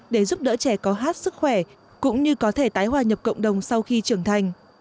để giúp đỡ trẻ có hát sức khỏe cũng như có thể tái hòa nhập cộng đồng sau khi trưởng thành